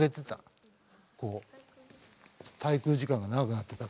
こう滞空時間が長くなってた。